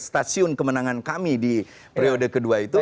stasiun kemenangan kami di periode kedua itu